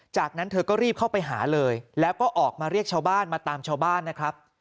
จากนั้นเธอก็รีบเข้าไปหาเลยแล้วก็ออกมาเรียกชาวบ้านมาตามชาวบ้านนะครับ